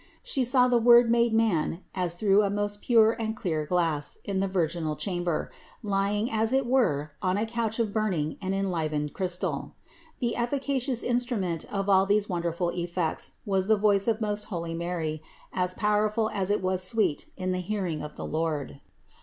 She saw the Word made man as through a most pure and clear glass in the virginal chamber, lying as it were on a couch of burning and enlivened crystal. The efficacious instrument of all these wonderful ef fects was the voice of most holy Mary, as powerful as it was sweet in the hearing of the Lord.